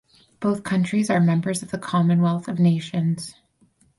Both countries are members of the Commonwealth of Nations.